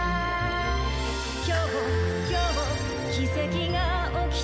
「今日今日奇跡が起きたね」